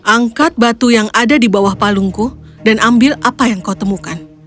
angkat batu yang ada di bawah palungku dan ambil apa yang kau temukan